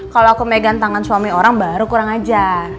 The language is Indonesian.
kalau aku pegang tangan suami orang baru kurang ajar